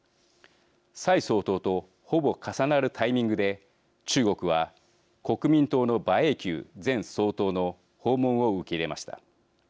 蔡総統とほぼ重なるタイミングで中国は国民党の馬英九前総統の訪問を受け入れました。